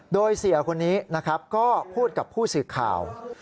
โดยเสียคนนี้นะครับก็พูดกับผู้สื่อข่าว